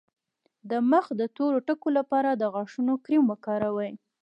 د مخ د تور ټکو لپاره د غاښونو کریم وکاروئ